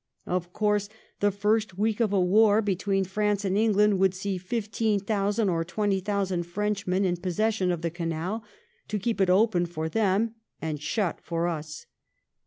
Of course the first week of a war between France and England would see 15,000 or .20,000 Frenchmen in possession of the canal, to keep it open for them and shjit for us.